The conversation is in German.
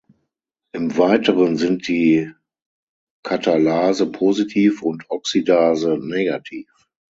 Im Weiteren sind sie Katalase positiv und Oxidase negativ.